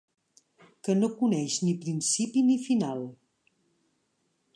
Que no coneix ni principi ni final.